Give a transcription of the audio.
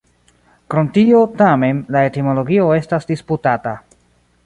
Krom tio, tamen, la etimologio estas disputata.